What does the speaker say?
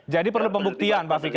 jadi perlu pembuktian pak fikar